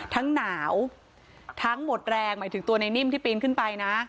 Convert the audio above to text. หนาวทั้งหมดแรงหมายถึงตัวในนิ่มที่ปีนขึ้นไปนะ